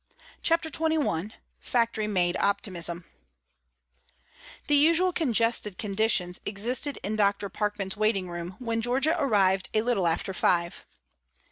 CHAPTER XXI FACTORY MADE OPTIMISM The usual congested conditions existed in Dr. Parkman's waiting room when Georgia arrived a little after five.